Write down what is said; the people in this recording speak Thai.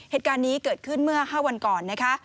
เหตุการณ์นี้เกิดขึ้นเมื่อ๕วันก่อนนะคะ